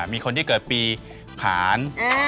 มีคนที่เกิดปีขาน